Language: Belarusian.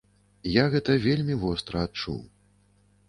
Я гэта вельмі востра адчуў.